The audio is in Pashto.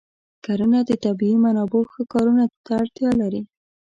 کرنه د طبیعي منابعو ښه کارونه ته اړتیا لري.